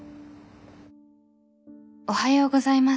「おはようございます。